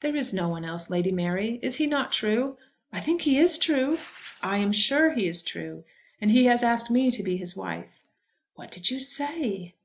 There is no one else, Lady Mary. Is he not true?" "I think he is true." "I am sure he is true. And he has asked me to be his wife." "What did you say?"